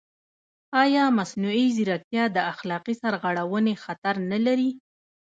ایا مصنوعي ځیرکتیا د اخلاقي سرغړونې خطر نه لري؟